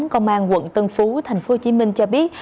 công an quận tân phú tp hcm cho biết